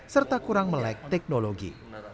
serta kurang melek teknologi